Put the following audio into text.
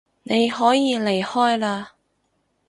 你可以離開嘞